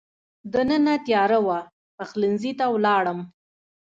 دننه تېاره وه، پخلنځي ته ولاړم.